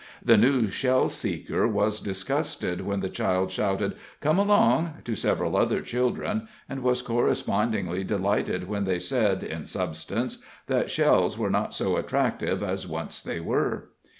The new shell seeker was disgusted when the child shouted "Come along!" to several other children, and was correspondingly delighted when they said, in substance, that shells were not so attractive as once they were.